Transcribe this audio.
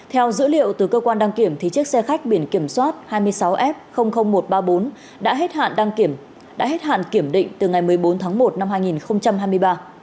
theo dữ liệu từ cơ quan đăng kiểm thì chiếc xe khách biển kiểm soát hai mươi sáu f một trăm ba mươi bốn đã hết hạn kiểm định từ ngày một mươi bốn tháng một năm hai nghìn hai mươi